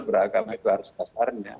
beragama itu harus kasarnya